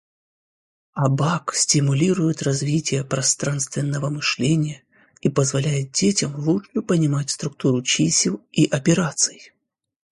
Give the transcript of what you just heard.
Абак стимулирует развитие пространственного мышления и позволяет детям лучше понимать структуру чисел и операций.